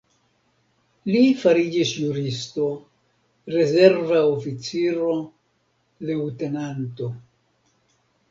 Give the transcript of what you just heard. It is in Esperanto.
Li fariĝis juristo, rezerva oficiro, leŭtenanto.